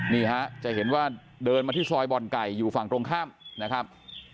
นี่ฮะจะเห็นว่าเดินมาที่ซอยบ่อนไก่อยู่ฝั่งตรงข้ามนะครับ